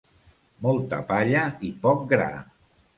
Molta palla i poc gra.